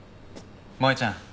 萌ちゃん。